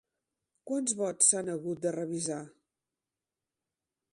Quants vots s'han hagut de revisar?